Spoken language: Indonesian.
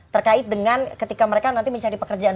terkait dengan ketika mereka nanti mencari pekerjaan